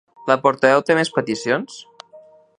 La portaveu té més peticions?